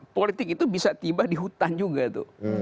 politik itu bisa tiba di hutan juga tuh